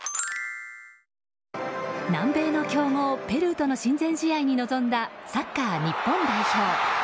南米の強豪ペルーとの親善試合に臨んだサッカー日本代表。